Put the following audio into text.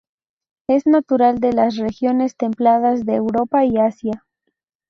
Es natural de las regiones templadas de Europa y Asia.